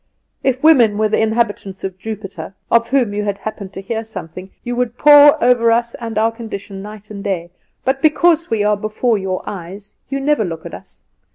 If women were the inhabitants of Jupiter, of whom you had happened to hear something, you would pore over us and our condition night and day; but because we are before your eyes you never look at us.